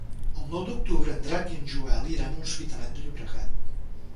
El nou d'octubre en Drac i en Joel iran a l'Hospitalet de Llobregat.